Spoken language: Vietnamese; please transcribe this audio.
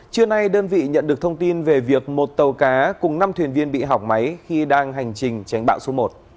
trưa nay đơn vị nhận được thông tin về việc một tàu cá cùng năm thuyền viên bị hỏng máy khi đang hành trình tránh bão số một